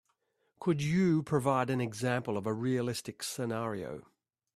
Could you provide an example of a realistic scenario?